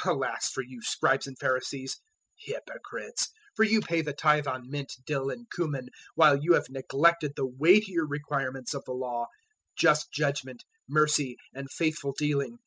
023:023 "Alas for you, Scribes and Pharisees, hypocrites, for you pay the tithe on mint, dill, and cumin, while you have neglected the weightier requirements of the Law just judgement, mercy, and faithful dealing.